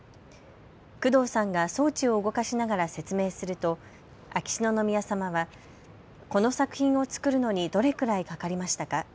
工藤さんが装置を動かしながら説明すると秋篠宮さまはこの作品を作るのにどれくらいかかりましたか。